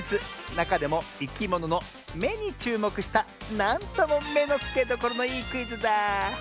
なかでもいきものの「め」にちゅうもくしたなんともめのつけどころのいいクイズだ。